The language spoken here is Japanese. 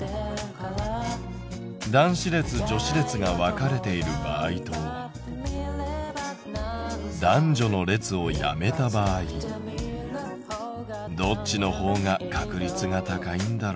男子列・女子列が分かれている場合と男女の列をやめた場合どっちの方が確率が高いんだろう？